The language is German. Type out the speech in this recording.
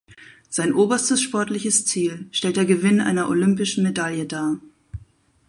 Sein oberstes sportliches Ziel stellt der Gewinn einer Olympischen Medaille dar.